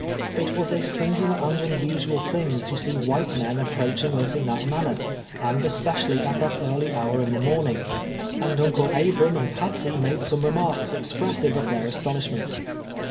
It was a singular and unusual thing to see white men approaching us in that man ner, and especially at that early hour in the morning, and Uncle Abram and Patsey made some remarks, expressive of their astonishment.